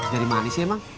jadi mana sih emang